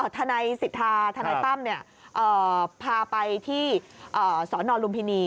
ธนัยศิษฐาธนัยตั้มพาไปที่สอนอนลุมพินี